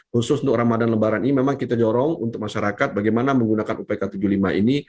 khusus untuk ramadan lebaran ini memang kita dorong untuk masyarakat bagaimana menggunakan upk tujuh puluh lima ini